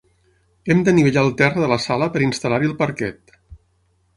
Hem d'anivellar el terra de la sala per instal·lar-hi el parquet.